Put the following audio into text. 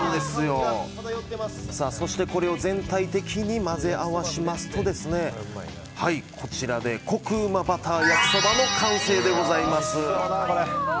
そして、これを全体的に混ぜ合わせますとコクうまバター焼きそばの完成でございます。